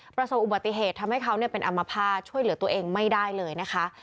ประสบอุบัติเหตุทำให้เขาเป็นอัมพาตช่วยเหลือตัวเองไม่ได้เลยนะคะ